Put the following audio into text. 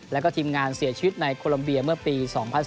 แล้วก็ทีมงานเสียชีวิตในโคลัมเบียเมื่อปี๒๐๑๙